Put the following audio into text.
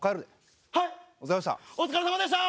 お疲れさまでした。